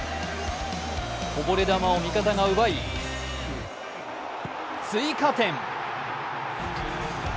こぼれ球を味方が奪い追加点。